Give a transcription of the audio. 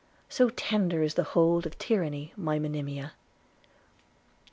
So slender is the hold of tyranny, my Monimia!'